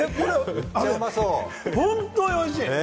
本当においしい。